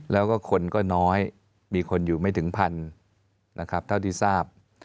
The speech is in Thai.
แล้วก็คนก็น้อยมีคนอยู่ไม่ถึงพันนะครับเท่าที่ทราบ